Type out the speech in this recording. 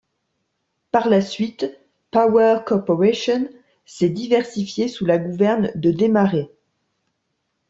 Par la suite, Power Corporation s'est diversifiée sous la gouverne de Desmarais.